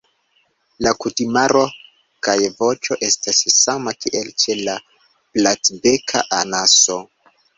La kutimaro kaj voĉo estas sama kiel ĉe la Platbeka anaso.